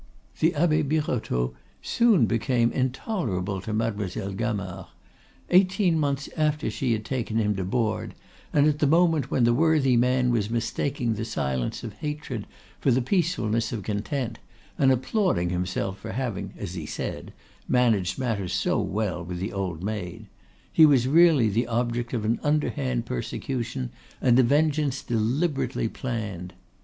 The Abbe Birotteau soon became intolerable to Mademoiselle Gamard. Eighteen months after she had taken him to board, and at the moment when the worthy man was mistaking the silence of hatred for the peacefulness of content, and applauding himself for having, as he said, "managed matters so well with the old maid," he was really the object of an underhand persecution and a vengeance deliberately planned.